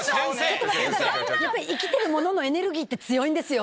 やっぱり生きてる者のエネルギーって強いんですよ。